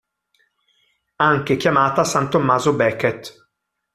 Anche chiamata San Tommaso Becket.